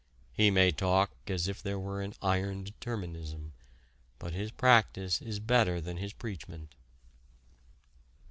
He may talk as if there were an iron determinism, but his practice is better than his preachment.